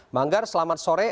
manggar selamat sore